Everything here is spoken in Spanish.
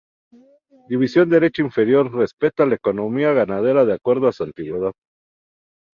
División derecha inferior: representa la economía ganadera de acuerdo a su antigüedad.